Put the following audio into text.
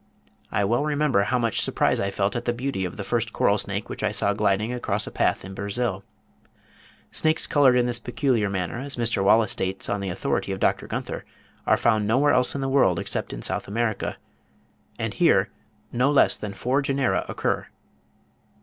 I well remember how much surprise I felt at the beauty of the first coral snake which I saw gliding across a path in Brazil. Snakes coloured in this peculiar manner, as Mr. Wallace states on the authority of Dr. Gunther (62. 'Westminster Review,' July 1st, 1867, p. 32.), are found nowhere else in the world except in S. America, and here no less than four genera occur.